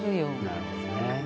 なるほどね。